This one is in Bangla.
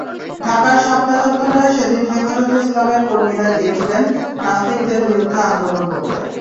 ঢাকার শাপলা চত্বরে সেদিন হেফাজতে ইসলামের কর্মীরা গিয়েছিলেন নাস্তিকদের বিরুদ্ধে আন্দোলন করতে।